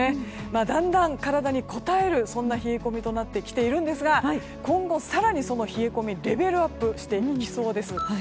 だんだん体にこたえる冷え込みとなってきていますが今後更にその冷え込みレベルアップしていきそうです。